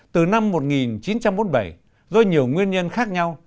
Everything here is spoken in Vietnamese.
từ năm một nghìn chín trăm bốn mươi bảy do nhiều nguyên nhân khác nhau